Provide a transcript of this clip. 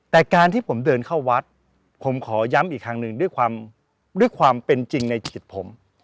แต่การที่ผมเดินเข้าวัดผมขอย้ำอีกครั้งหนึ่งด้วยความด้วยความเป็นจริงในจิตผม